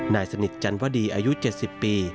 นายสนิทจันวดีอายุ๗๐ปี